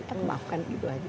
ya aku memaafkan gitu aja